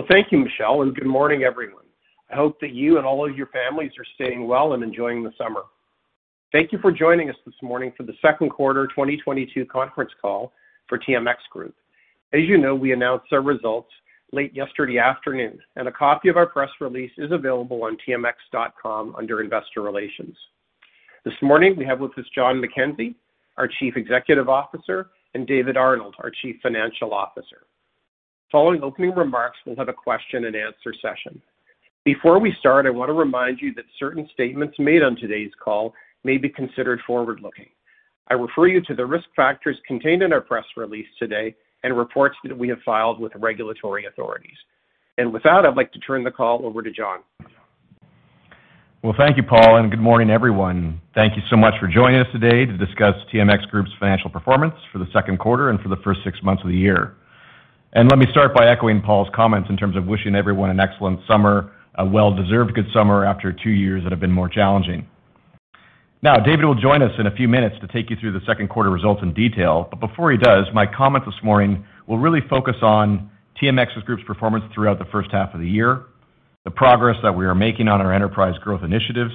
Well, thank you, Michelle, and good morning, everyone. I hope that you and all of your families are staying well and enjoying the summer. Thank you for joining us this morning for the Second Quarter 2022 Conference Call for TMX Group. As you know, we announced our results late yesterday afternoon, and a copy of our press release is available on tmx.com under Investor Relations. This morning, we have with us John McKenzie, our Chief Executive Officer, and David Arnold, our Chief Financial Officer. Following opening remarks, we'll have a question-and-answer session. Before we start, I want to remind you that certain statements made on today's call may be considered forward-looking. I refer you to the risk factors contained in our press release today and reports that we have filed with the regulatory authorities. With that, I'd like to turn the call over to John. Well, thank you, Paul, and good morning, everyone. Thank you so much for joining us today to discuss TMX Group's financial performance for the second quarter and for the first six months of the year. Let me start by echoing Paul's comments in terms of wishing everyone an excellent summer, a well-deserved good summer after two years that have been more challenging. Now, David will join us in a few minutes to take you through the second quarter results in detail. Before he does, my comments this morning will really focus on TMX Group's performance throughout the first half of the year, the progress that we are making on our enterprise growth initiatives,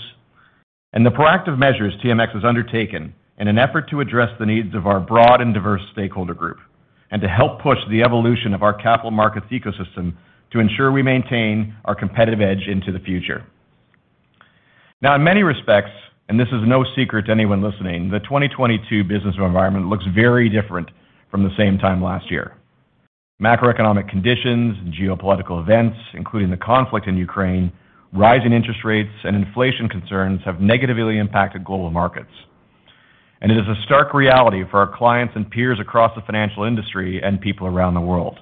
and the proactive measures TMX has undertaken in an effort to address the needs of our broad and diverse stakeholder group, and to help push the evolution of our capital markets ecosystem to ensure we maintain our competitive edge into the future. Now, in many respects, and this is no secret to anyone listening, the 2022 business environment looks very different from the same time last year. Macroeconomic conditions and geopolitical events, including the conflict in Ukraine, rising interest rates, and inflation concerns have negatively impacted global markets. It is a stark reality for our clients and peers across the financial industry and people around the world.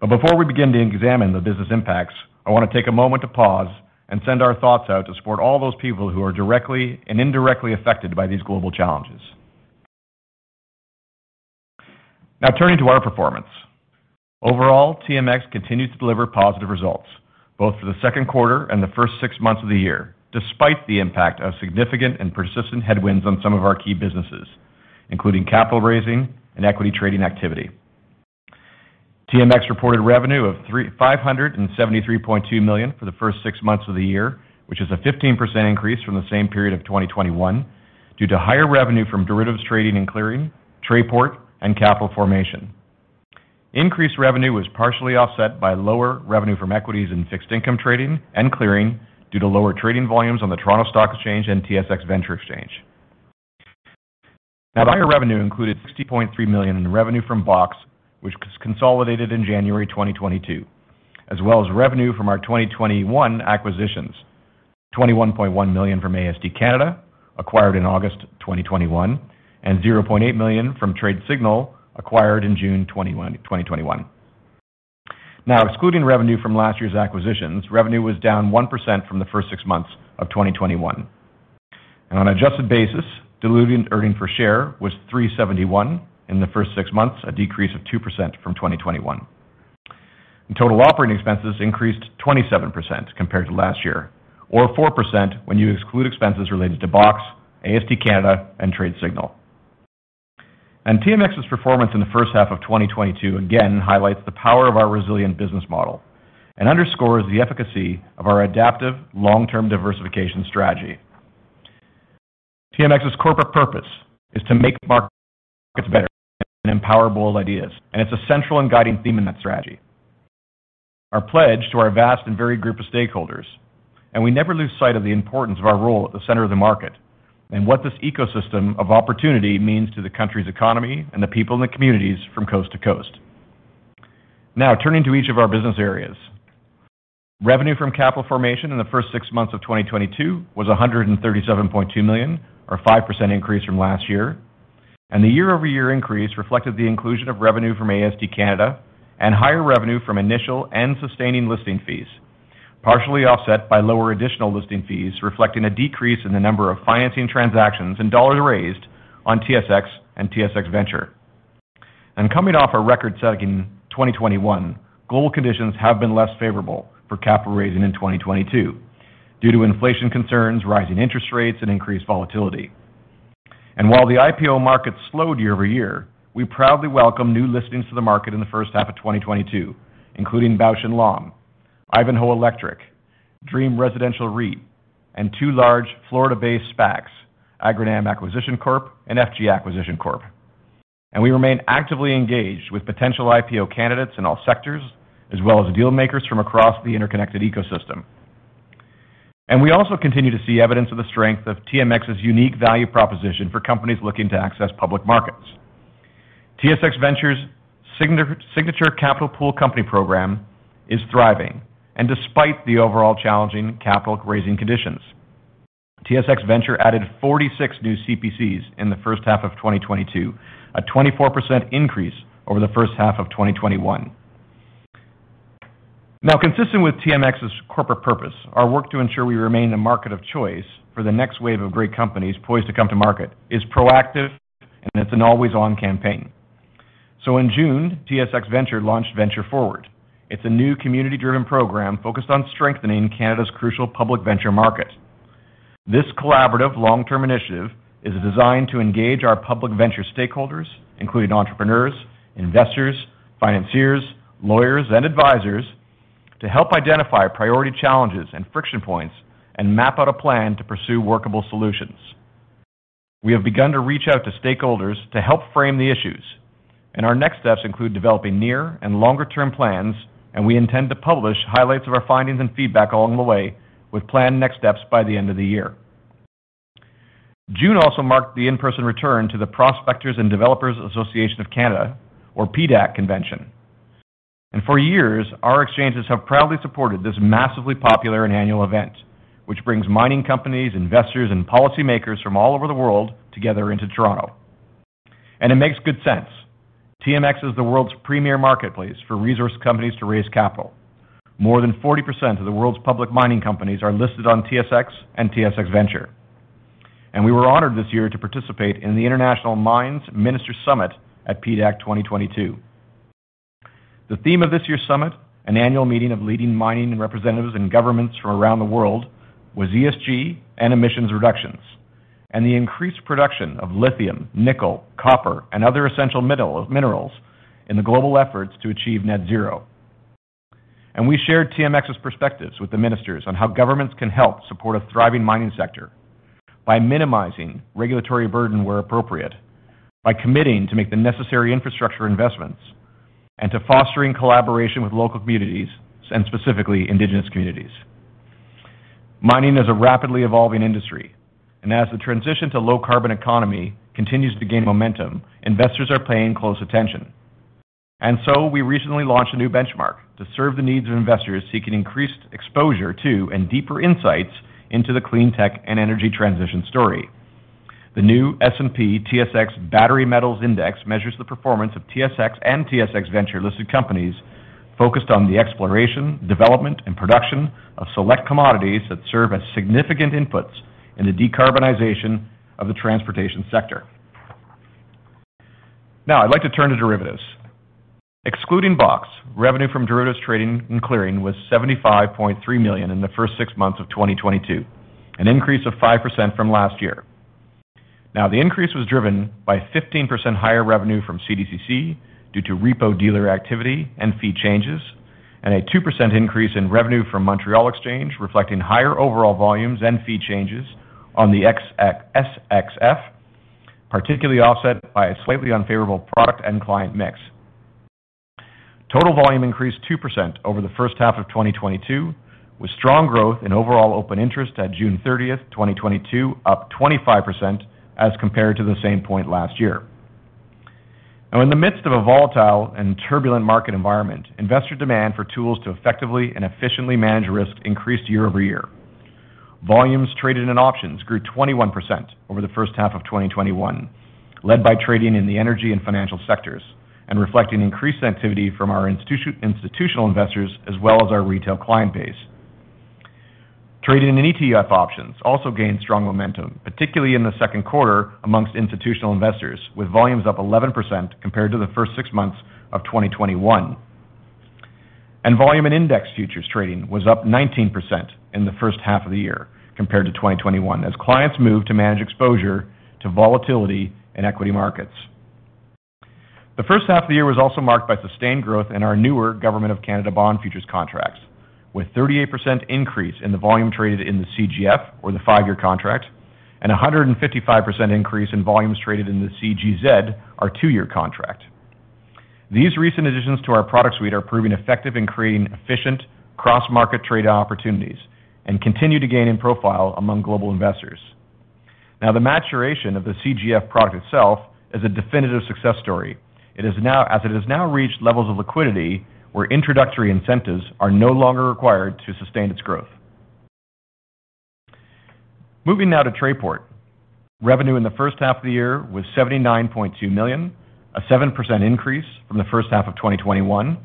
Before we begin to examine the business impacts, I want to take a moment to pause and send our thoughts out to support all those people who are directly and indirectly affected by these global challenges. Now turning to our performance. Overall, TMX continues to deliver positive results, both for the second quarter and the first six months of the year, despite the impact of significant and persistent headwinds on some of our key businesses, including capital raising and equity trading activity. TMX reported revenue of 573.2 million for the first six months of the year, which is a 15% increase from the same period of 2021 due to higher revenue from derivatives trading and clearing, Trayport, and capital formation. Increased revenue was partially offset by lower revenue from equities and fixed income trading and clearing due to lower trading volumes on the Toronto Stock Exchange and TSX Venture Exchange. Now, higher revenue included CAD 60.3 million in revenue from BOX, which was consolidated in January 2022, as well as revenue from our 2021 acquisitions. 21.1 million from AST Canada, acquired in August 2021, and 0.8 million from Tradesignal, acquired in June 2021. Now, excluding revenue from last year's acquisitions, revenue was down 1% from the first six months of 2021. On an adjusted basis, diluted earnings per share was 0.371 in the first six months, a decrease of 2% from 2021. Total operating expenses increased 27% compared to last year, or 4% when you exclude expenses related to BOX, AST Canada, and Tradesignal. TMX's performance in the first half of 2022 again highlights the power of our resilient business model and underscores the efficacy of our adaptive long-term diversification strategy. TMX's corporate purpose is to make markets better and empower bold ideas, and it's a central and guiding theme in that strategy. Our pledge to our vast and varied group of stakeholders. We never lose sight of the importance of our role at the center of the market and what this ecosystem of opportunity means to the country's economy and the people in the communities from coast to coast. Now, turning to each of our business areas. Revenue from capital formation in the first six months of 2022 was 137.2 million or 5% increase from last year. The year-over-year increase reflected the inclusion of revenue from AST Canada and higher revenue from initial and sustaining listing fees, partially offset by lower additional listing fees, reflecting a decrease in the number of financing transactions and dollars raised on TSX and TSX Venture. Coming off a record Q2 in 2021, global conditions have been less favorable for capital raising in 2022 due to inflation concerns, rising interest rates, and increased volatility. While the IPO market slowed year-over-year, we proudly welcome new listings to the market in the first half of 2022, including Bausch + Lomb, Ivanhoe Electric, Dream Residential REIT, and two large Florida-based SPACs, Agronom Acquisition Corp and FG Acquisition Corp. We remain actively engaged with potential IPO candidates in all sectors, as well as deal makers from across the interconnected ecosystem. We also continue to see evidence of the strength of TMX's unique value proposition for companies looking to access public markets. TSX Venture's signature Capital Pool Company program is thriving. Despite the overall challenging capital raising conditions, TSX Venture added 46 new CPCs in the first half of 2022, a 24% increase over the first half of 2021. Now, consistent with TMX's corporate purpose, our work to ensure we remain the market of choice for the next wave of great companies poised to come to market is proactive, and it's an always-on campaign. In June, TSX Venture launched Venture Forward. It's a new community-driven program focused on strengthening Canada's crucial public venture market. This collaborative long-term initiative is designed to engage our public venture stakeholders, including entrepreneurs, investors, financiers, lawyers, and advisors to help identify priority challenges and friction points and map out a plan to pursue workable solutions. We have begun to reach out to stakeholders to help frame the issues, and our next steps include developing near and longer term plans, and we intend to publish highlights of our findings and feedback along the way with planned next steps by the end of the year. June also marked the in-person return to the Prospectors & Developers Association of Canada, or PDAC Convention. For years, our exchanges have proudly supported this massively popular and annual event, which brings mining companies, investors, and policymakers from all over the world together into Toronto. It makes good sense. TMX is the world's premier marketplace for resource companies to raise capital. More than 40% of the world's public mining companies are listed on TSX and TSX Venture. We were honored this year to participate in the International Mines Ministers Summit at PDAC 2022. The theme of this year's summit, an annual meeting of leading mining and representatives and governments from around the world, was ESG and emissions reductions, and the increased production of lithium, nickel, copper, and other essential minerals in the global efforts to achieve net zero. We shared TMX's perspectives with the ministers on how governments can help support a thriving mining sector by minimizing regulatory burden where appropriate, by committing to make the necessary infrastructure investments, and to fostering collaboration with local communities and specifically indigenous communities. Mining is a rapidly evolving industry, and as the transition to low carbon economy continues to gain momentum, investors are paying close attention. We recently launched a new benchmark to serve the needs of investors seeking increased exposure to and deeper insights into the clean tech and energy transition story. The new S&P/TSX Battery Metals Index measures the performance of TSX and TSX Venture listed companies focused on the exploration, development, and production of select commodities that serve as significant inputs in the decarbonization of the transportation sector. Now I'd like to turn to derivatives. Excluding BOX, revenue from derivatives trading and clearing was 75.3 million in the first six months of 2022, an increase of 5% from last year. The increase was driven by 15% higher revenue from CDCC due to repo dealer activity and fee changes, and a 2% increase in revenue from Montreal Exchange, reflecting higher overall volumes and fee changes on the SXF, particularly offset by a slightly unfavorable product and client mix. Total volume increased 2% over the first half of 2022, with strong growth in overall open interest at June 30th, 2022, up 25% as compared to the same point last year. Now in the midst of a volatile and turbulent market environment, investor demand for tools to effectively and efficiently manage risk increased year-over-year. Volumes traded in options grew 21% over the first half of 2021, led by trading in the energy and financial sectors and reflecting increased activity from our institutional investors as well as our retail client base. Trading in ETF options also gained strong momentum, particularly in the second quarter among institutional investors, with volumes up 11% compared to the first six months of 2021. Volume and index futures trading was up 19% in the first six months of the year compared to 2021 as clients moved to manage exposure to volatility in equity markets. The first half of the year was also marked by sustained growth in our newer government of Canada bond futures contracts, with 38% increase in the volume traded in the CGF or the five-year contract, and a 155% increase in volumes traded in the CGZ, our two-year contract. These recent additions to our product suite are proving effective in creating efficient cross-market trade opportunities and continue to gain in profile among global investors. The maturation of the CGF product itself is a definitive success story. It has now reached levels of liquidity where introductory incentives are no longer required to sustain its growth. Moving now to Trayport. Revenue in the first half of the year was GBP 79.2 million, a 7% increase from the first half of 2021,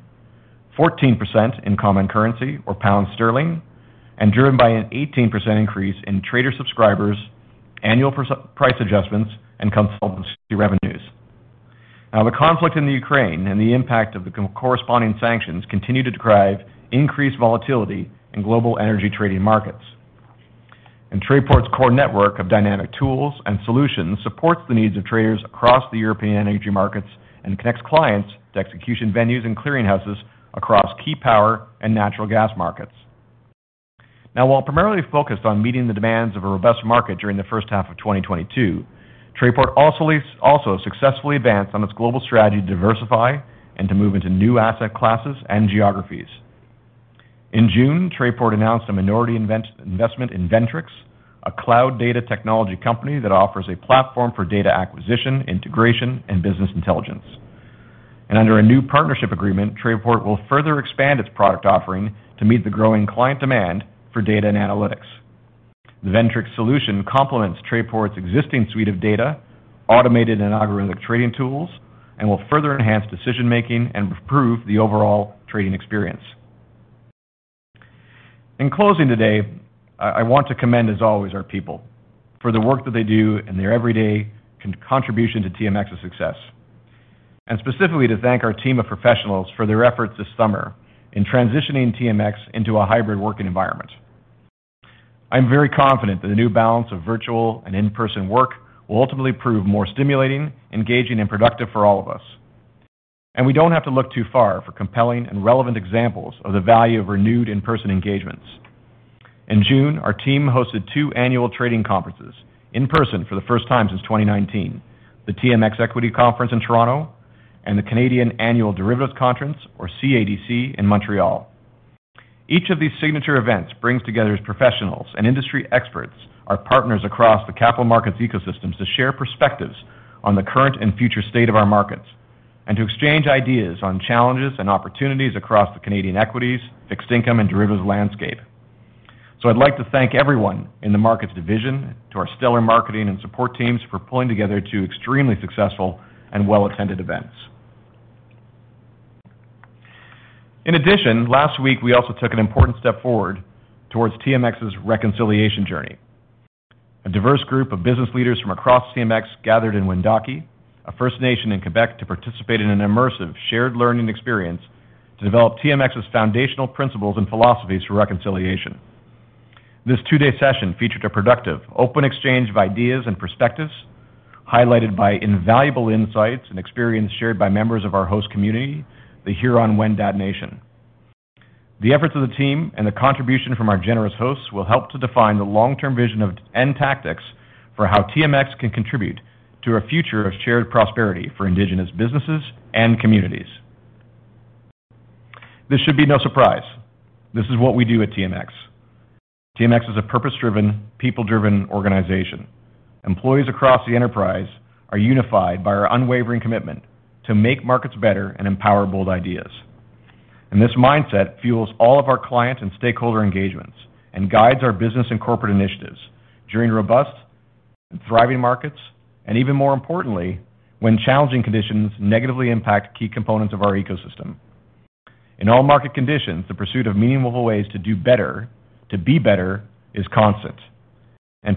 14% in common currency or pound sterling, and driven by an 18% increase in trader subscribers, annual price adjustments, and consultancy revenues. The conflict in Ukraine and the impact of the corresponding sanctions continue to drive increased volatility in global energy trading markets. Trayport's core network of dynamic tools and solutions supports the needs of traders across the European energy markets and connects clients to execution venues and clearing houses across key power and natural gas markets. Now, while primarily focused on meeting the demands of a robust market during the first half of 2022, Trayport also successfully advanced on its global strategy to diversify and to move into new asset classes and geographies. In June, Trayport announced a minority investment in Ventrix, a cloud data technology company that offers a platform for data acquisition, integration, and business intelligence. Under a new partnership agreement, Trayport will further expand its product offering to meet the growing client demand for data and analytics. The Ventrix solution complements Trayport's existing suite of data, automated and algorithmic trading tools, and will further enhance decision-making and improve the overall trading experience. In closing today, I want to commend, as always, our people for the work that they do and their everyday contribution to TMX's success. Specifically to thank our team of professionals for their efforts this summer in transitioning TMX into a hybrid working environment. I'm very confident that the new balance of virtual and in-person work will ultimately prove more stimulating, engaging, and productive for all of us. We don't have to look too far for compelling and relevant examples of the value of renewed in-person engagements. In June, our team hosted two annual trading conferences in person for the first time since 2019. The TMX Equities Trading Conference in Toronto and the Canadian Annual Derivatives Conference, or CADC, in Montréal. Each of these signature events brings together professionals and industry experts, our partners across the capital markets ecosystems to share perspectives on the current and future state of our markets, and to exchange ideas on challenges and opportunities across the Canadian equities, fixed income, and derivatives landscape. I'd like to thank everyone in the markets division, to our stellar marketing and support teams for pulling together two extremely successful and well-attended events. In addition, last week we also took an important step forward towards TMX's reconciliation journey. A diverse group of business leaders from across TMX gathered in Wendake, a First Nation in Quebec, to participate in an immersive shared learning experience to develop TMX's foundational principles and philosophies for reconciliation. This two-day session featured a productive, open exchange of ideas and perspectives, highlighted by invaluable insights and experience shared by members of our host community, the Huron-Wendat Nation. The efforts of the team and the contribution from our generous hosts will help to define the long-term vision of, and tactics for how TMX can contribute to a future of shared prosperity for indigenous businesses and communities. This should be no surprise. This is what we do at TMX. TMX is a purpose-driven, people-driven organization. Employees across the enterprise are unified by our unwavering commitment to make markets better and empower bold ideas. This mindset fuels all of our client and stakeholder engagements and guides our business and corporate initiatives during robust and thriving markets, and even more importantly, when challenging conditions negatively impact key components of our ecosystem. In all market conditions, the pursuit of meaningful ways to do better, to be better, is constant.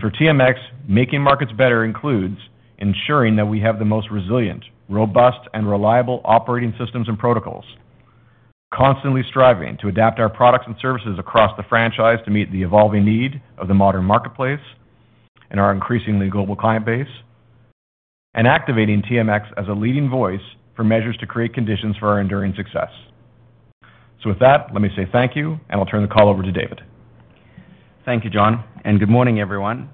For TMX, making markets better includes ensuring that we have the most resilient, robust, and reliable operating systems and protocols. Constantly striving to adapt our products and services across the franchise to meet the evolving need of the modern marketplace and our increasingly global client base. Activating TMX as a leading voice for measures to create conditions for our enduring success. With that, let me say thank you, and I'll turn the call over to David. Thank you, John, and good morning, everyone.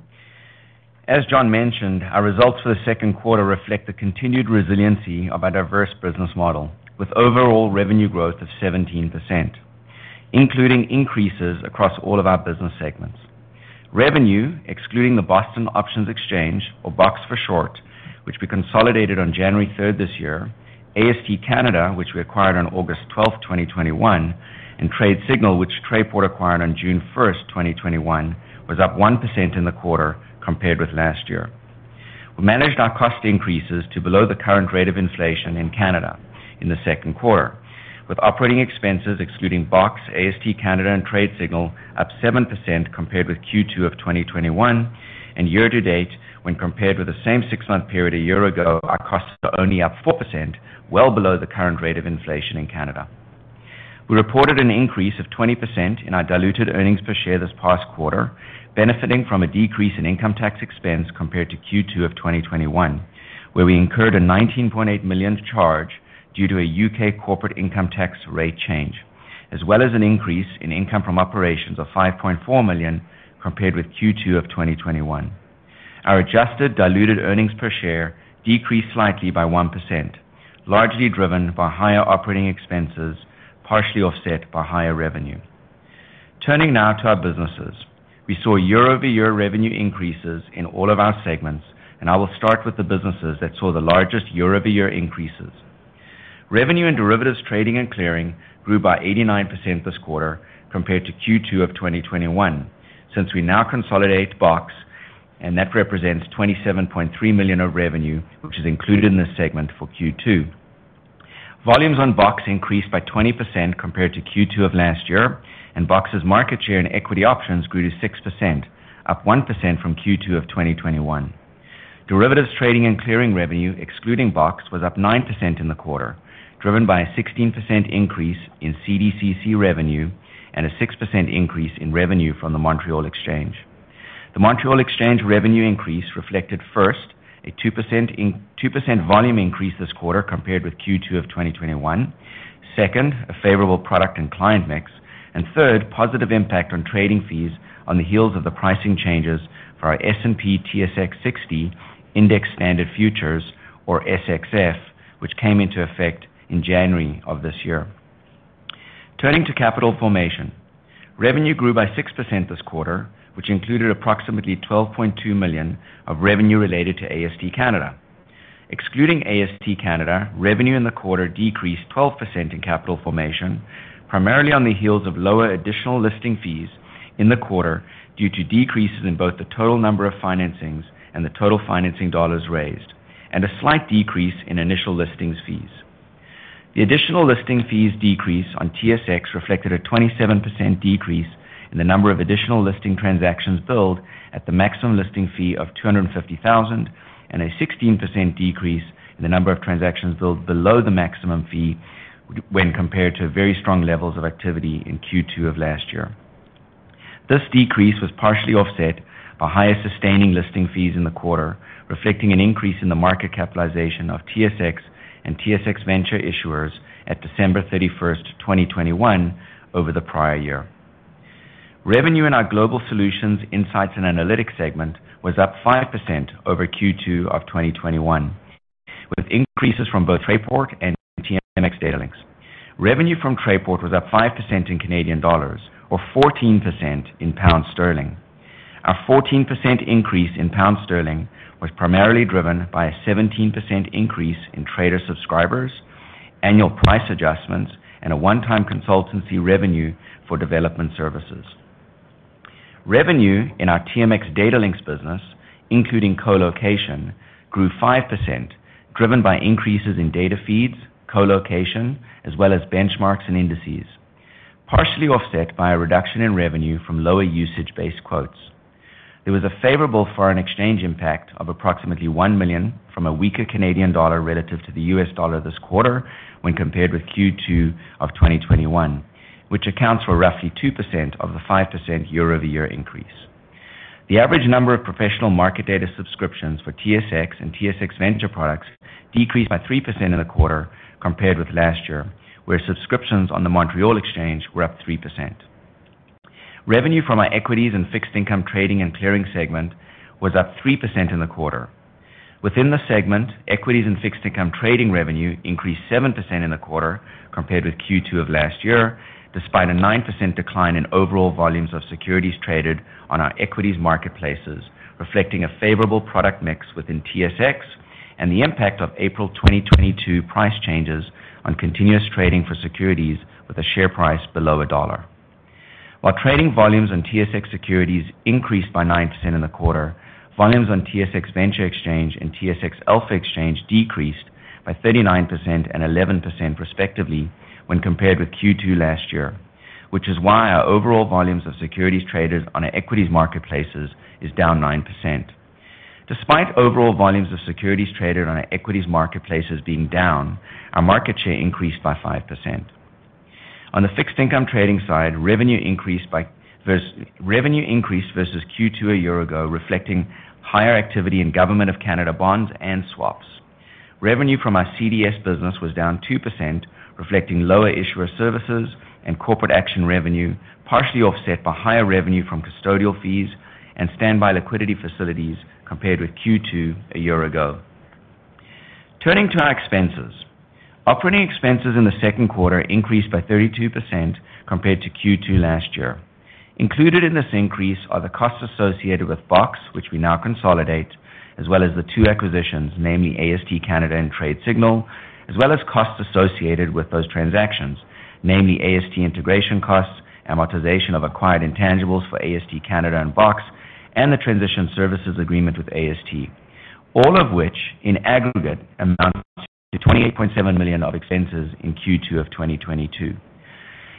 As John mentioned, our results for the second quarter reflect the continued resiliency of our diverse business model with overall revenue growth of 17%, including increases across all of our business segments. Revenue, excluding the Boston Options Exchange, or BOX for short, which we consolidated on January 3rd this year, AST Canada, which we acquired on August 12, 2021, and Tradesignal, which Trayport acquired on June 1st, 2021, was up 1% in the quarter compared with last year. We managed our cost increases to below the current rate of inflation in Canada in the second quarter, with operating expenses excluding BOX, AST Canada, and Tradesignal up 7% compared with Q2 of 2021. Year to date, when compared with the same six-month period a year ago, our costs are only up 4%, well below the current rate of inflation in Canada. We reported an increase of 20% in our diluted earnings per share this past quarter, benefiting from a decrease in income tax expense compared to Q2 of 2021, where we incurred a 19.8 million charge due to a U.K. corporate income tax rate change, as well as an increase in income from operations of 5.4 million compared with Q2 of 2021. Our adjusted diluted earnings per share decreased slightly by 1%, largely driven by higher operating expenses, partially offset by higher revenue. Turning now to our businesses. We saw year-over-year revenue increases in all of our segments, and I will start with the businesses that saw the largest year-over-year increases. Revenue in derivatives trading and clearing grew by 89% this quarter compared to Q2 of 2021. Since we now consolidate BOX and that represents 27.3 million of revenue, which is included in this segment for Q2. Volumes on BOX increased by 20% compared to Q2 of last year, and BOX's market share in equity options grew to 6%, up 1% from Q2 of 2021. Derivatives trading and clearing revenue, excluding BOX, was up 9% in the quarter, driven by a 16% increase in CDCC revenue and a 6% increase in revenue from the Montreal Exchange. The Montreal Exchange revenue increase reflected, first, a 2% volume increase this quarter compared with Q2 of 2021. Second, a favorable product and client mix. Third, positive impact on trading fees on the heels of the pricing changes for our S&P/TSX 60 Index Standard Futures or SXF, which came into effect in January of this year. Turning to capital formation. Revenue grew by 6% this quarter, which included approximately 12.2 million of revenue related to AST Canada. Excluding AST Trust Company (Canada), revenue in the quarter decreased 12% in capital formation, primarily on the heels of lower additional listing fees in the quarter due to decreases in both the total number of financings and the total financing dollars raised, and a slight decrease in initial listings fees. The additional listing fees decrease on TSX reflected a 27% decrease in the number of additional listing transactions billed at the maximum listing fee of 250,000, and a 16% decrease in the number of transactions billed below the maximum fee when compared to very strong levels of activity in Q2 of last year. This decrease was partially offset by higher sustaining listing fees in the quarter, reflecting an increase in the market capitalization of TSX and TSX Venture issuers at December 31, 2021 over the prior year. Revenue in our Global Solutions, Insights and Analytics segment was up 5% over Q2 of 2021, with increases from both Trayport and TMX Datalinx. Revenue from Trayport was up 5% in Canadian dollars or 14% in pound sterling. Our 14% increase in pound sterling was primarily driven by a 17% increase in trader subscribers, annual price adjustments, and a one-time consultancy revenue for development services. Revenue in our TMX Datalinx business, including colocation, grew 5%, driven by increases in data feeds, colocation, as well as benchmarks and indices, partially offset by a reduction in revenue from lower usage-based quotes. There was a favorable foreign exchange impact of approximately 1 million from a weaker Canadian dollar relative to the U.S. dollar this quarter when compared with Q2 of 2021, which accounts for roughly 2% of the 5% year-over-year increase. The average number of professional market data subscriptions for TSX and TSX Venture products decreased by 3% in the quarter compared with last year, where subscriptions on the Montréal Exchange were up 3%. Revenue from our equities and fixed income trading and clearing segment was up 3% in the quarter. Within the segment, equities and fixed income trading revenue increased 7% in the quarter compared with Q2 of last year, despite a 9% decline in overall volumes of securities traded on our equities marketplaces, reflecting a favorable product mix within TSX and the impact of April 2022 price changes on continuous trading for securities with a share price below a dollar. While trading volumes on TSX securities increased by 9% in the quarter, volumes on TSX Venture Exchange and TSX Alpha Exchange decreased by 39% and 11% respectively when compared with Q2 last year, which is why our overall volumes of securities traded on our equities marketplaces is down 9%. Despite overall volumes of securities traded on our equities marketplaces being down, our market share increased by 5%. On the fixed income trading side, revenue increased versus Q2 a year ago, reflecting higher activity in Government of Canada bonds and swaps. Revenue from our CDS business was down 2%, reflecting lower issuer services and corporate action revenue, partially offset by higher revenue from custodial fees and standby liquidity facilities compared with Q2 a year ago. Turning to our expenses. Operating expenses in the second quarter increased by 32% compared to Q2 last year. Included in this increase are the costs associated with BOX, which we now consolidate, as well as the two acquisitions, namely AST and Tradesignal, as well as costs associated with those transactions, namely AST integration costs, amortization of acquired intangibles for AST and BOX, and the transition services agreement with AST, all of which in aggregate amount to 28.7 million of expenses in Q2 of 2022.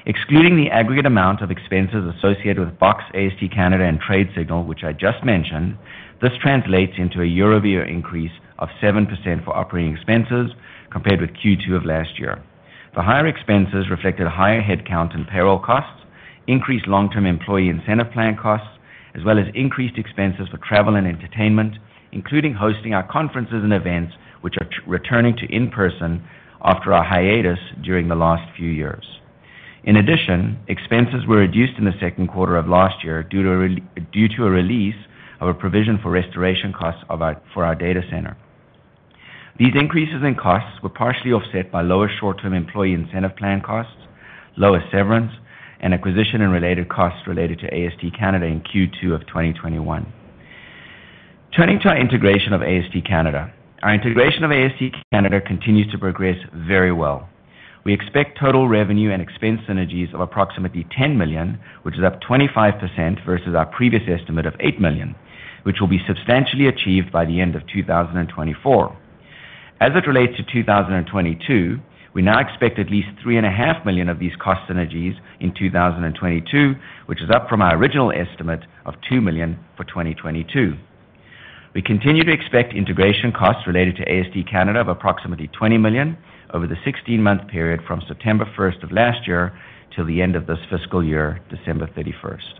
Excluding the aggregate amount of expenses associated with BOX, AST, and Tradesignal, which I just mentioned, this translates into a year-over-year increase of 7% for operating expenses compared with Q2 of last year. The higher expenses reflected a higher headcount in payroll costs, increased long-term employee incentive plan costs, as well as increased expenses for travel and entertainment, including hosting our conferences and events, which are returning to in-person after a hiatus during the last few years. In addition, expenses were reduced in the second quarter of last year due to a release of a provision for restoration costs for our data center. These increases in costs were partially offset by lower short-term employee incentive plan costs, lower severance and acquisition and related costs related to AST Canada in Q2 of 2021. Turning to our integration of AST Canada. Our integration of AST Canada continues to progress very well. We expect total revenue and expense synergies of approximately 10 million, which is up 25% versus our previous estimate of 8 million, which will be substantially achieved by the end of 2024. As it relates to 2022, we now expect at least 3.5 million of these cost synergies in 2022, which is up from our original estimate of 2 million for 2022. We continue to expect integration costs related to AST Canada of approximately 20 million over the 16-month period from September 1st of last year till the end of this fiscal year, December 31st.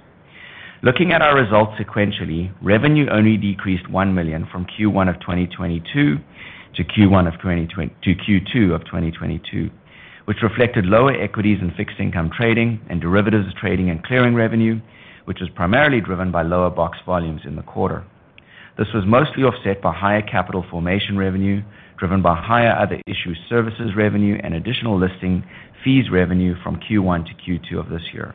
Looking at our results sequentially, revenue only decreased 1 million from Q1 of 2022 to Q2 of 2022, which reflected lower equities and fixed income trading and derivatives trading and clearing revenue, which was primarily driven by lower BOX volumes in the quarter. This was mostly offset by higher capital formation revenue, driven by higher other issuer services revenue and additional listing fees revenue from Q1 to Q2 of this year.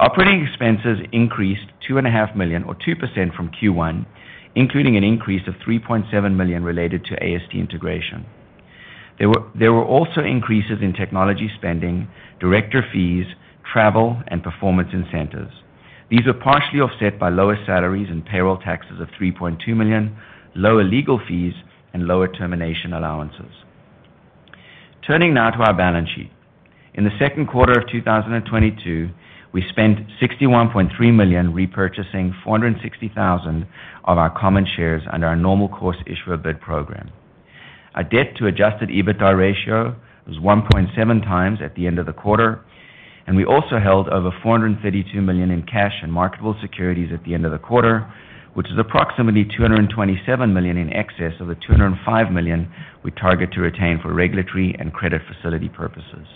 Operating expenses increased 2.5 million or 2% from Q1, including an increase of 3.7 million related to AST integration. There were also increases in technology spending, director fees, travel, and performance incentives. These are partially offset by lower salaries and payroll taxes of 3.2 million, lower legal fees and lower termination allowances. Turning now to our balance sheet. In the second quarter of 2022, we spent 61.3 million repurchasing 460,000 of our common shares under our Normal Course Issuer Bid program. Our debt to adjusted EBITDA ratio was 1.7 times at the end of the quarter, and we also held over 432 million in cash and marketable securities at the end of the quarter, which is approximately 227 million in excess of the 205 million we target to retain for regulatory and credit facility purposes.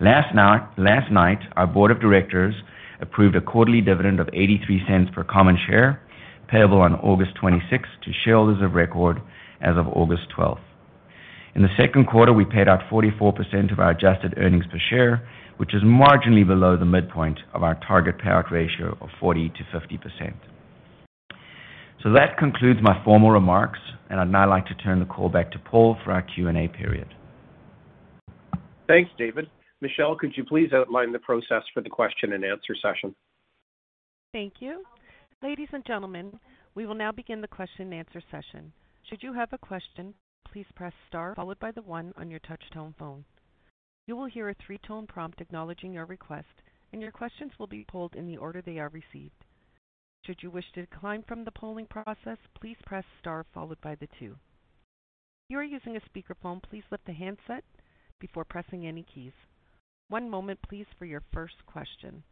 Last night, our board of directors approved a quarterly dividend of 0.83 per common share, payable on August 26th to shareholders of record as of August 12th. In the second quarter, we paid out 44% of our adjusted earnings per share, which is marginally below the midpoint of our target payout ratio of 40%-50%. That concludes my formal remarks, and I'd now like to turn the call back to Paul for our Q&A period. Thanks, David. Michelle, could you please outline the process for the question-and-answer session? Thank you. Ladies and gentlemen, we will now begin the question-and-answer session. Should you have a question, please press star followed by one on your touch tone phone. You will hear a three-tone prompt acknowledging your request, and your questions will be polled in the order they are received. Should you wish to decline from the polling process, please press star followed by two. If you are using a speakerphone, please lift the handset before pressing any keys. One moment please for your first question.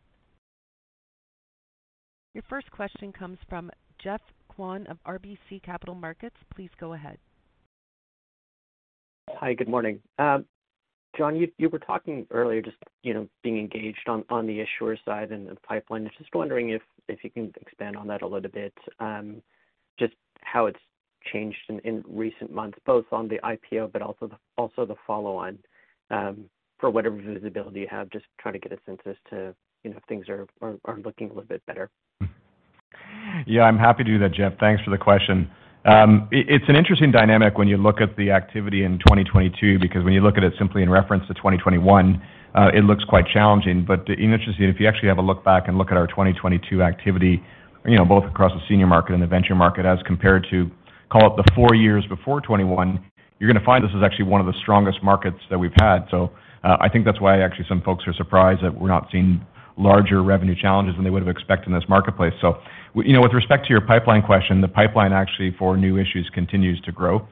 Your first question comes from Geoffrey Kwan of RBC Capital Markets. Please go ahead. Hi. Good morning. John, you were talking earlier just, you know, being engaged on the issuer side and the pipeline. Just wondering if you can expand on that a little bit, just how it's changed in recent months, both on the IPO but also the follow on, for whatever visibility you have, just trying to get a sense as to, you know, if things are looking a little bit better. Yeah, I'm happy to do that, Jeff. Thanks for the question. It's an interesting dynamic when you look at the activity in 2022, because when you look at it simply in reference to 2021, it looks quite challenging. Interestingly, if you actually have a look back and look at our 2022 activity, you know, both across the senior market and the venture market as compared to call it the four years before 2021, you're gonna find this is actually one of the strongest markets that we've had. I think that's why actually some folks are surprised that we're not seeing larger revenue challenges than they would have expected in this marketplace. With respect to your pipeline question, the pipeline actually for new issues continues to grow.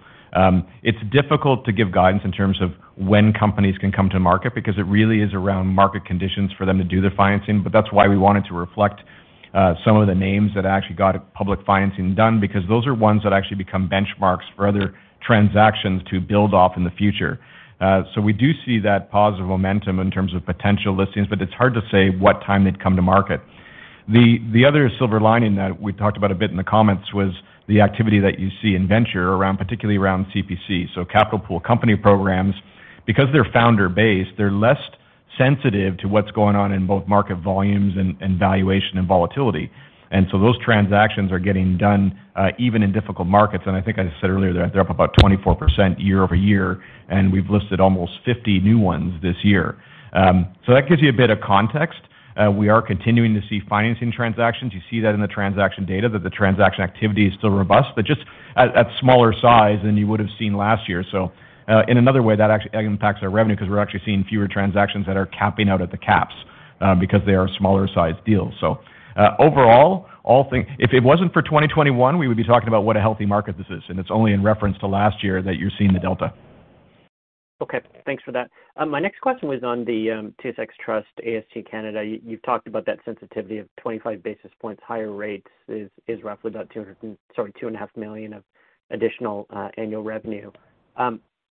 It's difficult to give guidance in terms of when companies can come to market because it really is around market conditions for them to do their financing. That's why we wanted to reflect some of the names that actually got public financing done, because those are ones that actually become benchmarks for other transactions to build off in the future. We do see that positive momentum in terms of potential listings, but it's hard to say what time they'd come to market. The other silver lining that we talked about a bit in the comments was the activity that you see in venture around, particularly around CPC, so Capital Pool Company programs. Because they're founder based, they're less sensitive to what's going on in both market volumes and valuation and volatility. Those transactions are getting done even in difficult markets. I think I said earlier, they're up about 24% year-over-year, and we've listed almost 50 new ones this year. So that gives you a bit of context. We are continuing to see financing transactions. You see that in the transaction data that the transaction activity is still robust, but just at smaller size than you would have seen last year. In another way, that actually impacts our revenue because we're actually seeing fewer transactions that are capping out at the caps, because they are smaller sized deals. Overall, all things if it wasn't for 2021, we would be talking about what a healthy market this is, and it's only in reference to last year that you're seeing the delta. Okay. Thanks for that. My next question was on the TSX Trust AST Canada. You've talked about that sensitivity of 25 basis points higher rates is roughly about 2.5 million of additional annual revenue.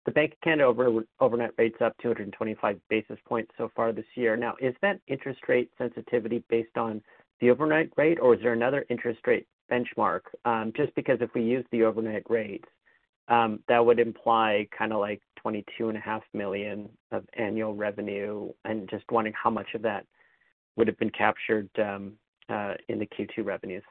The Bank of Canada overnight rate's up 225 basis points so far this year. Now, is that interest rate sensitivity based on the overnight rate, or is there another interest rate benchmark? Just because if we use the overnight rate, that would imply kinda like 22.5 million of annual revenue, and just wondering how much of that would have been captured in the Q2 revenues.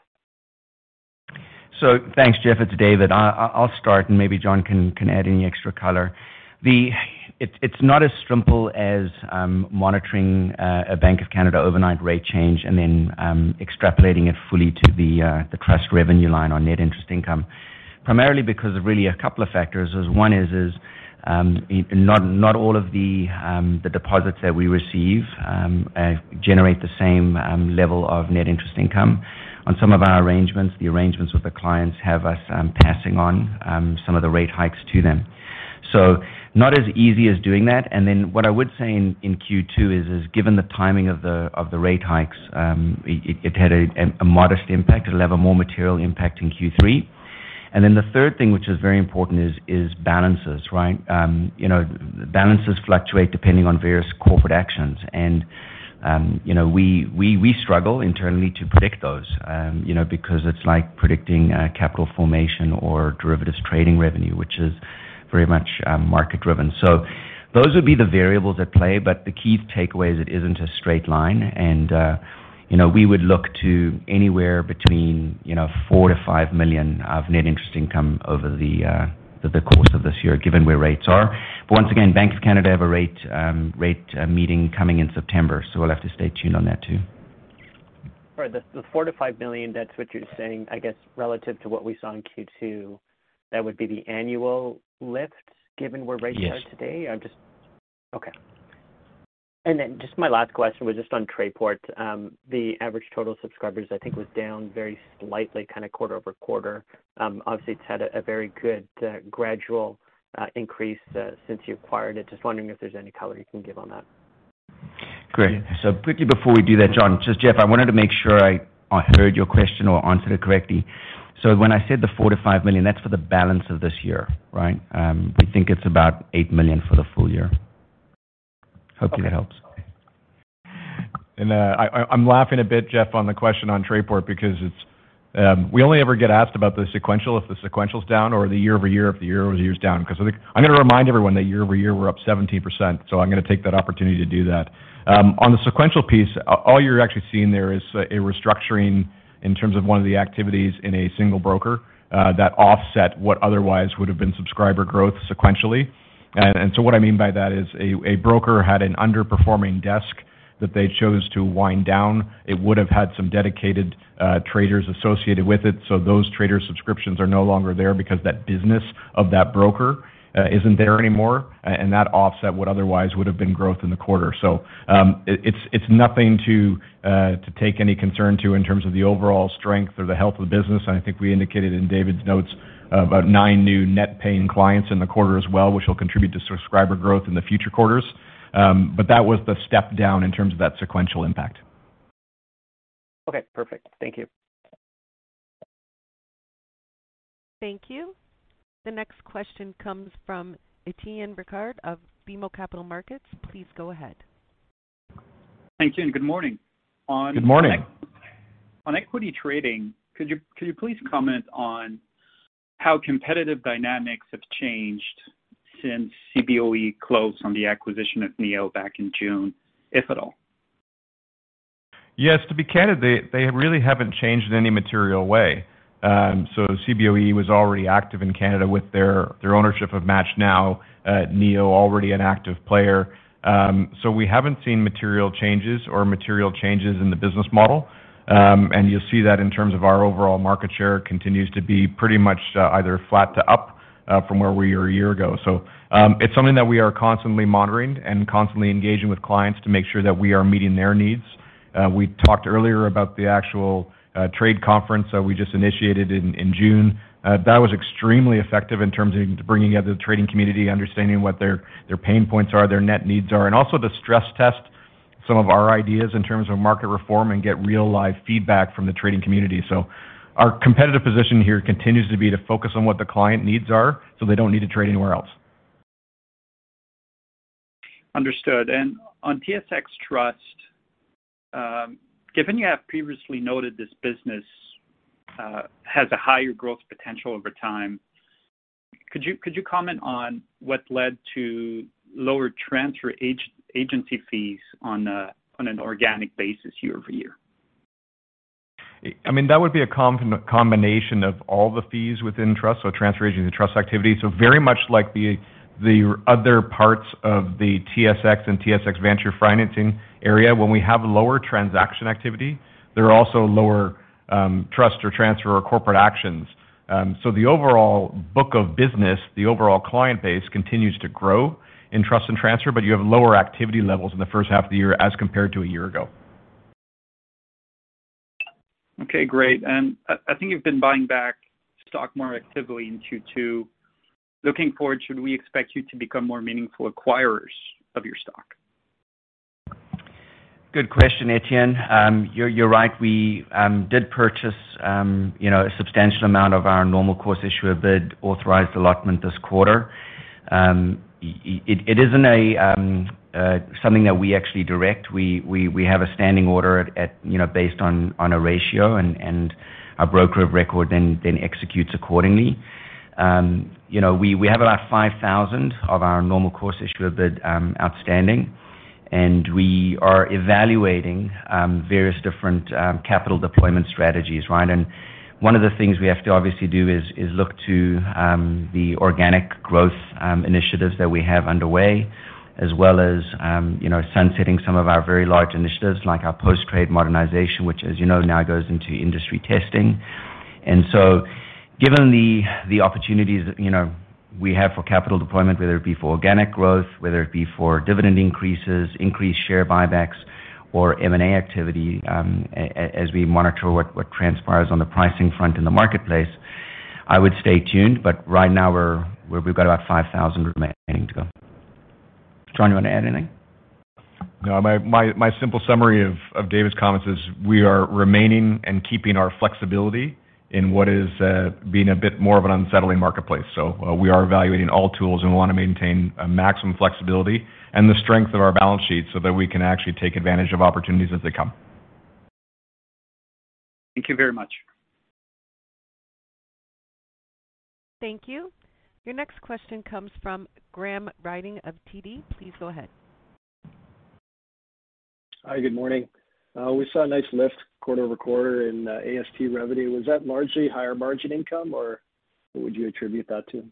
Thanks, Jeff. It's David. I'll start, and maybe John can add any extra color. It's not as simple as monitoring a Bank of Canada overnight rate change and then extrapolating it fully to the trust revenue line on net interest income. Primarily because of really a couple of factors, one is not all of the deposits that we receive generate the same level of net interest income. On some of our arrangements, the arrangements with the clients have us passing on some of the rate hikes to them. Not as easy as doing that. What I would say in Q2 is given the timing of the rate hikes, it had a modest impact. It'll have a more material impact in Q3. Then the third thing, which is very important, is balances, right? You know, balances fluctuate depending on various corporate actions. We struggle internally to predict those. You know, because it's like predicting capital formation or derivatives trading revenue, which is very much market-driven. Those would be the variables at play. The key takeaway is it isn't a straight line. We would look to anywhere between 4 million-5 million of net interest income over the course of this year, given where rates are. Once again, Bank of Canada have a rate meeting coming in September, so we'll have to stay tuned on that too. All right. The 4-5 million, that's what you're saying, I guess, relative to what we saw in Q2, that would be the annual lift given where rates are today? Yes. Just my last question was just on Trayport. The average total subscribers, I think, was down very slightly kind of quarter-over-quarter. Obviously, it's had a very good gradual increase since you acquired it. Just wondering if there's any color you can give on that. Great. Quickly before we do that, John, just Jeff, I wanted to make sure I heard your question or answered it correctly. When I said the 4-5 million, that's for the balance of this year, right? We think it's about 8 million for the full year. Okay. Hope that helps. I'm laughing a bit, Jeff, on the question on Trayport because it's we only ever get asked about the sequential if the sequential's down or the year-over-year if the year-over-year is down. 'Cause I think I'm gonna remind everyone that year-over-year, we're up 17%, so I'm gonna take that opportunity to do that. On the sequential piece, all you're actually seeing there is a restructuring in terms of one of the activities in a single broker that offset what otherwise would have been subscriber growth sequentially. What I mean by that is a broker had an underperforming desk that they chose to wind down. It would have had some dedicated traders associated with it. Those trader subscriptions are no longer there because that business of that broker isn't there anymore, and that offset what otherwise would have been growth in the quarter. It's nothing to be concerned about in terms of the overall strength or the health of the business. I think we indicated in David's notes about nine new net paying clients in the quarter as well, which will contribute to subscriber growth in the future quarters. That was the step down in terms of that sequential impact. Okay. Perfect. Thank you. Thank you. The next question comes from Étienne Ricard of BMO Capital Markets. Please go ahead. Thank you, and good morning. Good morning. On equity trading, could you please comment on how competitive dynamics have changed since CBOE closed on the acquisition of NEO back in June, if at all? Yes. To be candid, they really haven't changed in any material way. CBOE was already active in Canada with their ownership of MATCHNow. NEO already an active player. We haven't seen material changes in the business model. You'll see that in terms of our overall market share continues to be pretty much either flat to up from where we were a year ago. It's something that we are constantly monitoring and constantly engaging with clients to make sure that we are meeting their needs. We talked earlier about the actual trade conference that we just initiated in June. That was extremely effective in terms of bringing together the trading community, understanding what their pain points are, their net needs are, and also to stress test some of our ideas in terms of market reform and get real live feedback from the trading community. Our competitive position here continues to be to focus on what the client needs are, so they don't need to trade anywhere else. Understood. On TSX Trust, given you have previously noted this business has a higher growth potential over time, could you comment on what led to lower transfer agency fees on an organic basis year-over-year? I mean, that would be a combination of all the fees within trust, so transfer agency trust activity. Very much like the other parts of the TSX and TSX Venture financing area. When we have lower transaction activity, there are also lower trust or transfer or corporate actions. The overall book of business, the overall client base continues to grow in trust and transfer, but you have lower activity levels in the first half of the year as compared to a year ago. Okay, great. I think you've been buying back stock more actively in Q2. Looking forward, should we expect you to become more meaningful acquirers of your stock? Good question, Étienne. You're right. We did purchase, you know, a substantial amount of our Normal Course Issuer Bid authorized allotment this quarter. It isn't something that we actually direct. We have a standing order, you know, based on a ratio and our broker of record then executes accordingly. You know, we have about 5,000 of our Normal Course Issuer Bid outstanding, and we are evaluating various different capital deployment strategies, right? One of the things we have to obviously do is look to the organic growth initiatives that we have underway, as well as, you know, sunsetting some of our very large initiatives like our post trade modernization, which, as you know, now goes into industry testing. Given the opportunities, you know, we have for capital deployment, whether it be for organic growth, whether it be for dividend increases, increased share buybacks or M&A activity, as we monitor what transpires on the pricing front in the marketplace, I would stay tuned, but right now we've got about 5,000 remaining to go. John, you wanna add anything? No. My simple summary of David's comments is we are remaining and keeping our flexibility in what is being a bit more of an unsettling marketplace. We are evaluating all tools, and we wanna maintain a maximum flexibility and the strength of our balance sheet so that we can actually take advantage of opportunities as they come. Thank you very much. Thank you. Your next question comes from Graham Ryding of TD. Please go ahead. Hi. Good morning. We saw a nice lift quarter over quarter in AST revenue. Was that largely higher margin income or what would you attribute that to?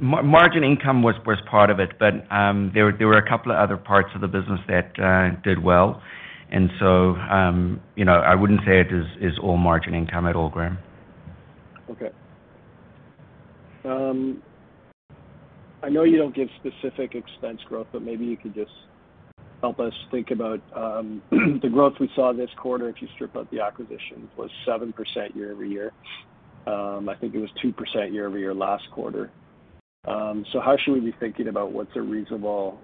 Margin income was part of it, but there were a couple of other parts of the business that did well. You know, I wouldn't say it is all margin income at all, Graham. Okay. I know you don't give specific expense growth, but maybe you could just help us think about the growth we saw this quarter, if you strip out the acquisition, was 7% year-over-year. I think it was 2% year-over-year last quarter. How should we be thinking about what's a reasonable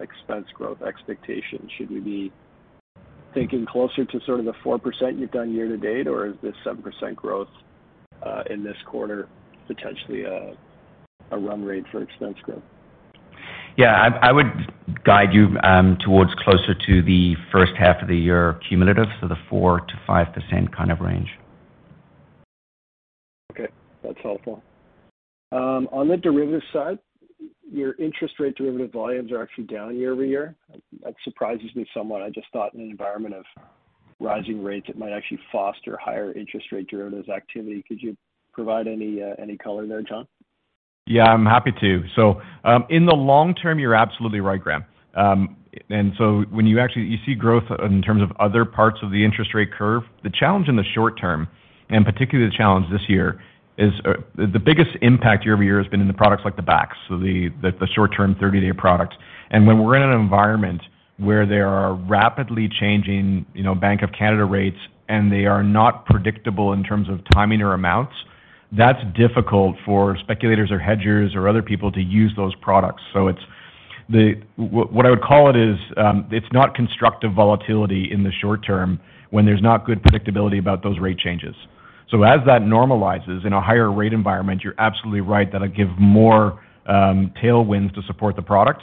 expense growth expectation? Should we be thinking closer to sort of the 4% you've done year-to-date, or is this 7% growth in this quarter potentially a run rate for expense growth? Yeah, I would guide you towards closer to the first half of the year cumulative, so the 4%-5% kind of range. Okay, that's helpful. On the derivative side, your interest rate derivative volumes are actually down year-over-year. That surprises me somewhat. I just thought in an environment of rising rates, it might actually foster higher interest rate derivatives activity. Could you provide any color there, John? Yeah, I'm happy to. In the long term, you're absolutely right, Graham. When you see growth in terms of other parts of the interest rate curve, the challenge in the short term, and particularly the challenge this year, is the biggest impact year-over-year has been in the products like the BAX, so the short-term 30-day products. When we're in an environment where there are rapidly changing, you know, Bank of Canada rates and they are not predictable in terms of timing or amounts, that's difficult for speculators or hedgers or other people to use those products. What I would call it is, it's not constructive volatility in the short term when there's not good predictability about those rate changes. As that normalizes in a higher rate environment, you're absolutely right that'll give more tailwinds to support the product.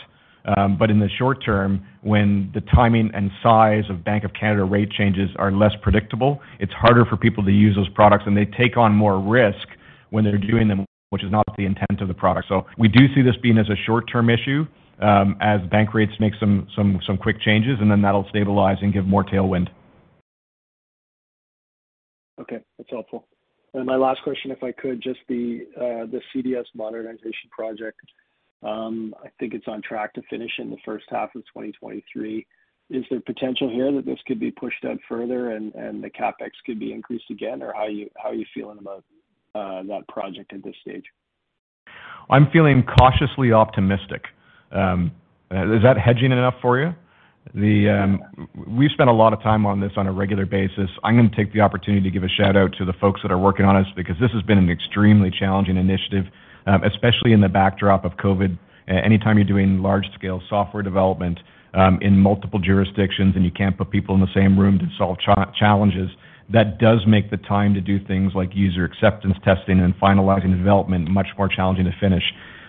In the short term, when the timing and size of Bank of Canada rate changes are less predictable, it's harder for people to use those products, and they take on more risk when they're doing them, which is not the intent of the product. We do see this being as a short-term issue, as bank rates make some quick changes, and then that'll stabilize and give more tailwind. Okay, that's helpful. My last question, if I could just the CDS modernization project. I think it's on track to finish in the first half of 2023. Is there potential here that this could be pushed out further and the CapEx could be increased again? Or how are you feeling about that project at this stage? I'm feeling cautiously optimistic. Is that hedging enough for you? We've spent a lot of time on this on a regular basis. I'm gonna take the opportunity to give a shout-out to the folks that are working on this because this has been an extremely challenging initiative, especially in the backdrop of COVID. Anytime you're doing large-scale software development in multiple jurisdictions, and you can't put people in the same room to solve challenges, that does make the time to do things like user acceptance testing and finalizing development much more challenging to finish.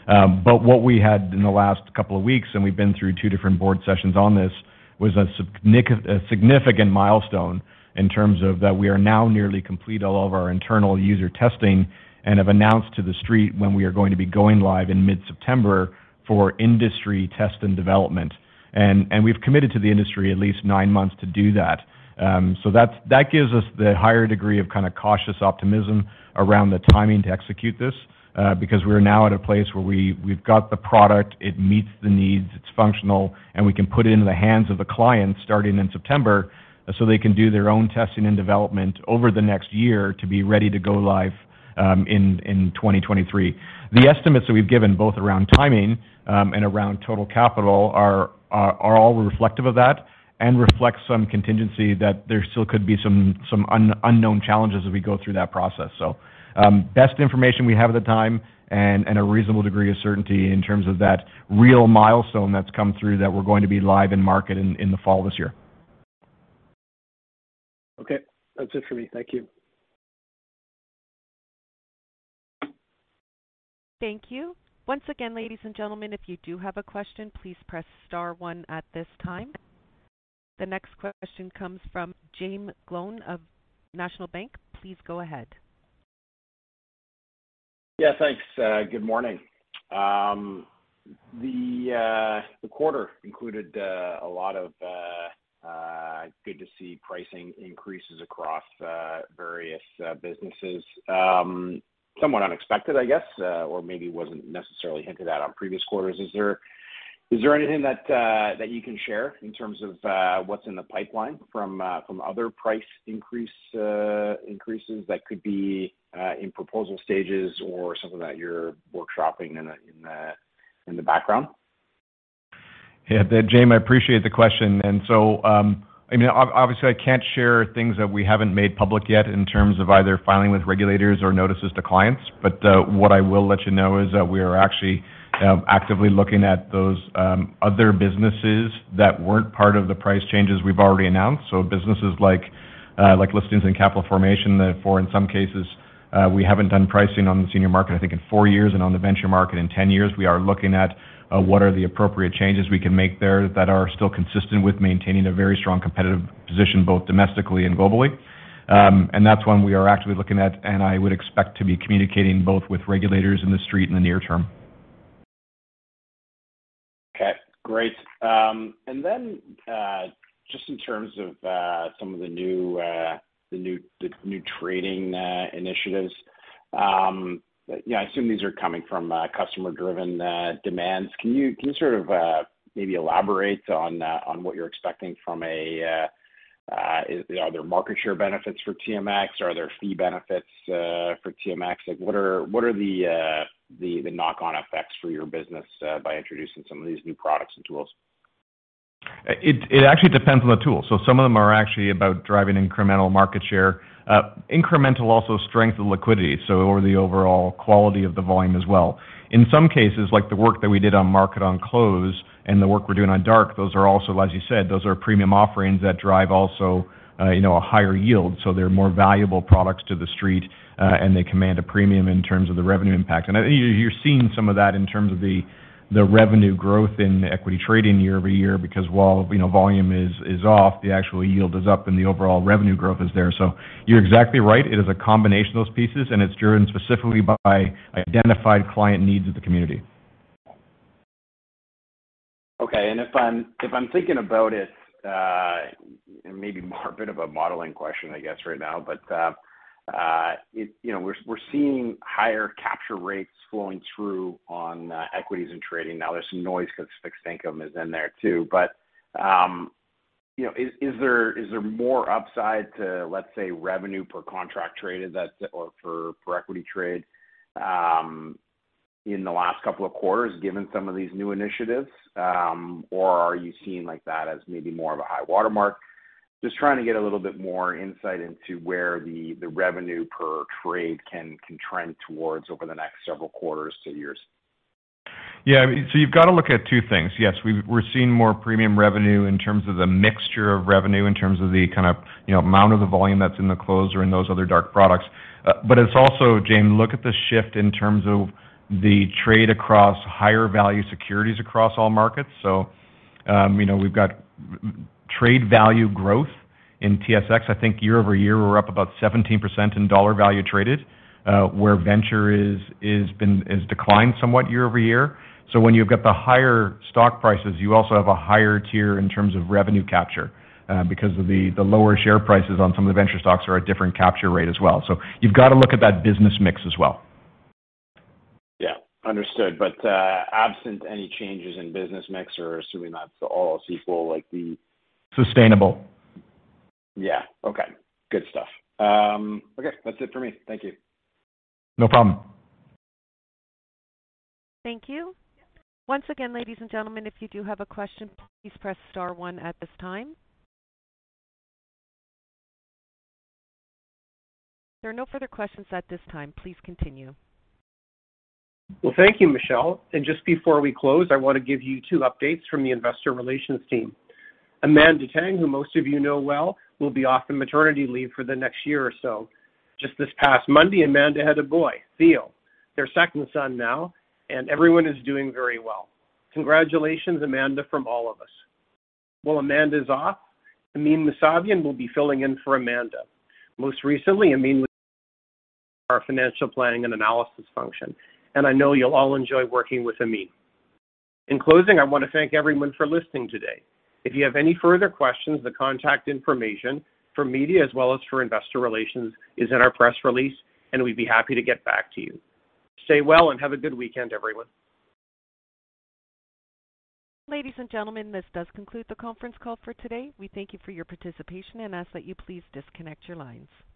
What we had in the last couple of weeks, and we've been through two different board sessions on this, was a significant milestone in terms of that we are now nearly complete all of our internal user testing and have announced to the street when we are going to be going live in mid-September for industry test and development. We've committed to the industry at least nine months to do that. That gives us the higher degree of kind of cautious optimism around the timing to execute this, because we're now at a place where we've got the product, it meets the needs, it's functional, and we can put it into the hands of the clients starting in September so they can do their own testing and development over the next year to be ready to go live in 2023. The estimates that we've given both around timing and around total capital are all reflective of that and reflect some contingency that there still could be some unknown challenges as we go through that process. Best information we have at the time and a reasonable degree of certainty in terms of that real milestone that's come through that we're going to be live in market in the fall of this year. Okay. That's it for me. Thank you. Thank you. Once again, ladies and gentlemen, if you do have a question, please press star one at this time. The next question comes from Jaeme Gloyn of National Bank Financial. Please go ahead. Yeah, thanks. Good morning. The quarter included a lot of good to see pricing increases across various businesses. Somewhat unexpected, I guess, or maybe wasn't necessarily hinted at on previous quarters. Is there anything that you can share in terms of what's in the pipeline from other price increases that could be in proposal stages or something that you're workshopping in the background? Yeah, Jaeme, I appreciate the question. I mean, obviously, I can't share things that we haven't made public yet in terms of either filing with regulators or notices to clients. What I will let you know is that we are actually actively looking at those other businesses that weren't part of the price changes we've already announced. Businesses like like listings and capital formation that, for, in some cases, we haven't done pricing on the senior market, I think in four years and on the venture market in 10 years. We are looking at what are the appropriate changes we can make there that are still consistent with maintaining a very strong competitive position, both domestically and globally. That's one we are actively looking at, and I would expect to be communicating both with regulators on the street in the near term. Okay, great. Just in terms of some of the new trading initiatives, you know, I assume these are coming from customer-driven demands. Can you sort of maybe elaborate on what you're expecting? Are there market share benefits for TMX? Are there fee benefits for TMX? Like, what are the knock-on effects for your business by introducing some of these new products and tools? It actually depends on the tool. Some of them are actually about driving incremental market share, incremental strength of liquidity, so over the overall quality of the volume as well. In some cases, like the work that we did on Market on Close and the work we're doing on dark, those are also, as you said, premium offerings that drive also, you know, a higher yield. They're more valuable products to The Street, and they command a premium in terms of the revenue impact. You're seeing some of that in terms of the revenue growth in equity trading year-over-year, because while, you know, volume is off, the actual yield is up and the overall revenue growth is there. You're exactly right. It is a combination of those pieces, and it's driven specifically by identified client needs of the community. Okay. If I'm thinking about it, maybe more a bit of a modeling question, I guess right now, but you know, we're seeing higher capture rates flowing through on equities and trading. Now there's some noise that fixed income is in there too. But you know, is there more upside to, let's say, revenue per contract traded that's or for equity trade in the last couple of quarters given some of these new initiatives? Or are you seeing like that as maybe more of a high watermark? Just trying to get a little bit more insight into where the revenue per trade can trend towards over the next several quarters to years. Yeah. You've got to look at two things. Yes, we're seeing more premium revenue in terms of the mixture of revenue, in terms of the kind of, you know, amount of the volume that's in the close or in those other dark products. But it's also, Jaeme, look at the shift in terms of the trade across higher value securities across all markets. You know, we've got trade value growth in TSX. I think year-over-year, we're up about 17% in dollar value traded, where Venture has declined somewhat year-over-year. When you've got the higher stock prices, you also have a higher tier in terms of revenue capture, because of the lower share prices on some of the Venture stocks are a different capture rate as well. You've got to look at that business mix as well. Yeah, understood. Absent any changes in business mix or assuming that's all equal, like the Sustainable. Yeah. Okay. Good stuff. Okay, that's it for me. Thank you. No problem. Thank you. Once again, ladies and gentlemen, if you do have a question, please press star one at this time. There are no further questions at this time. Please continue. Well, thank you, Michelle. Just before we close, I want to give you two updates from the investor relations team. Amanda Tang, who most of you know well, will be off on maternity leave for the next year or so. Just this past Monday, Amanda had a boy, Theo, their second son now, and everyone is doing very well. Congratulations, Amanda, from all of us. While Amanda is off, Amin Mousavian will be filling in for Amanda. Most recently, Amin was our financial planning and analysis function, and I know you'll all enjoy working with Amin. In closing, I want to thank everyone for listening today. If you have any further questions, the contact information for media as well as for investor relations is in our press release, and we'd be happy to get back to you. Stay well and have a good weekend, everyone. Ladies and gentlemen, this does conclude the conference call for today. We thank you for your participation and ask that you please disconnect your lines.